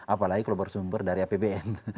apalagi kalau bersumber dari apbn